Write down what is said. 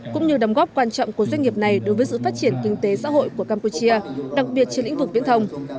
cũng như đóng góp quan trọng của doanh nghiệp này đối với sự phát triển kinh tế xã hội của campuchia đặc biệt trên lĩnh vực viễn thông